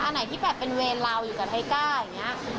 อันไหนที่แบบเป็นเวรเราอยู่กับไทก้าอย่างนี้